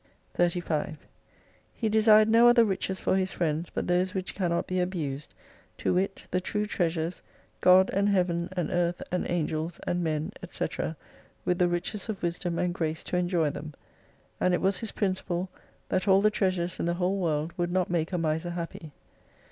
35 He desired no other riches for his friends but those which cannot be abused ; to wit the true treasures, God and Heaven and Earth and Angels and Men, &c. with the riches of wisdom and grace to enjoy them. And it was his principle — That all the treasures in the whole world would not make a miser happy.